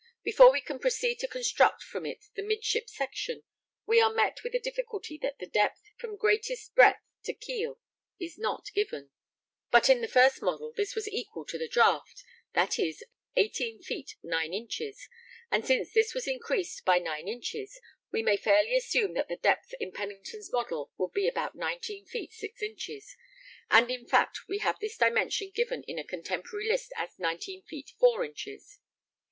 Before we can proceed to construct from it the midship section, we are met with the difficulty that the depth from greatest breadth to keel is not given, but in the first model this was equal to the draught, viz. 18 feet 9 inches, and since this was increased by 9 inches, we may fairly assume that the 'depth' in Pennington's model would be about 19 feet 6 inches, and in fact we have this dimension given in a contemporary list as 19 feet 4 inches.